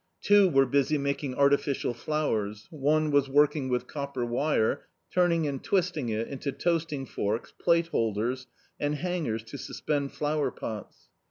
Two were busy making artificial flowers; one was working with copper wire, turning and twisting it into toasting forks, plate holders, and hangers to suspend flower pots.